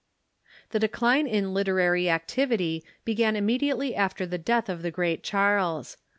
The decline in literary activity began immediately after the death of the great Charles.